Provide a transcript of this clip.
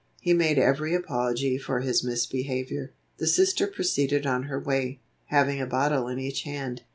He made every apology for his misbehavior. The Sister proceeded on her way, having a bottle in each hand.